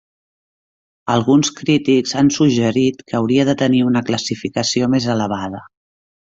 Alguns crítics han suggerit que hauria de tenir una classificació més elevada.